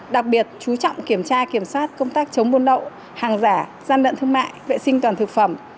đặc biệt chú trọng kiểm tra kiểm soát công tác chống buôn lậu hàng giả gian lận thương mại vệ sinh toàn thực phẩm